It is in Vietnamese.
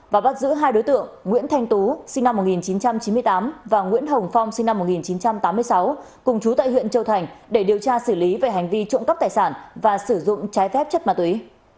và bắt giữ hai đối tượng nguyễn thanh tú sinh năm một nghìn chín trăm chín mươi tám và nguyễn hồng phong sinh năm một nghìn chín trăm tám mươi sáu cùng chú tại huyện châu thành để điều tra xử lý về hành vi trộm cắp tài sản và sử dụng trái phép chất ma túy